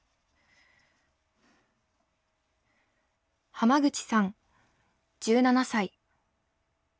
濱口さん１７歳。